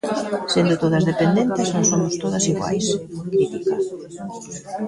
"Sendo todas dependentas non somos todas iguais", critica.